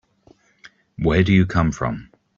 Where do you come from?